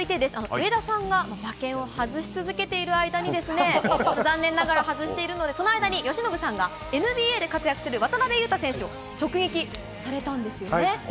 上田さんが馬券を外し続けている間に、残念ながら、外しているので、その間に、由伸さんがＮＢＡで活躍する渡邊雄太選手を直撃されたんですよね。